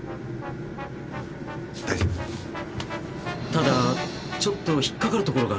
ただちょっと引っ掛かるところがあるんです。